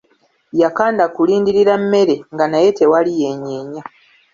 Yakanda kulindirira mmere nga naye tewali yeenyenya.